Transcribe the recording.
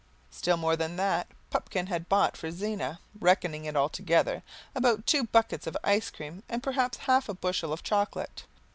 Still more than that, Pupkin had bought for Zena, reckoning it altogether, about two buckets of ice cream and perhaps half a bushel of chocolate.